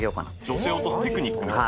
女性落とすテクニック。